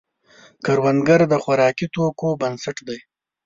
کروندګر د خوراکي توکو بنسټ دی